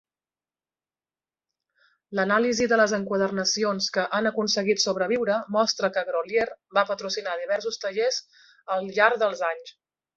L'anàlisi de les enquadernacions que han aconseguit sobreviure mostra que Grolier va patrocinar diversos tallers al llarg dels anys.